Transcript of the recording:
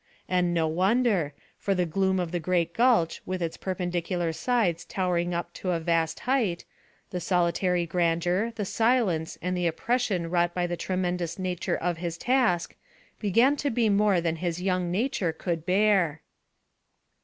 And no wonder, for the gloom of the great gulch with its perpendicular sides towering up to a vast height, the solitary grandeur, the silence, and the oppression wrought by the tremendous nature of his task, began to be more than his young nature could bear.